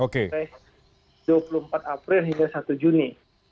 mulai dua puluh empat april hingga satu juni